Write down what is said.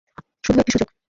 শুধু একটি সুযোগ!